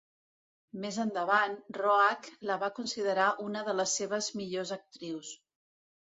Més endavant, Roach la va considerar una de les seves millors actrius.